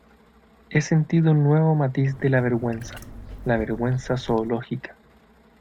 he sentido un nuevo matiz de la vergüenza: la vergüenza zoológica.